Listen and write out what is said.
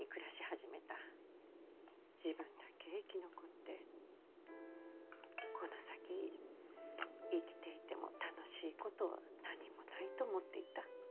自分だけ生き残ってこの先生きていても楽しいことは何もないと思っていた。